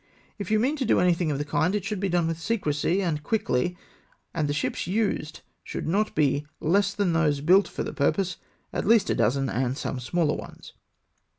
If you mean to do anything of the kind, it should be with secrecy and quickly, and the ships used should not be less than those built for the purpose — at least a dozen, and some smaller ones.